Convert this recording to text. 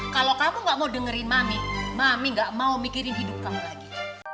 kalau kamu gak mau dengerin mami mami gak mau mikirin hidup kamu lagi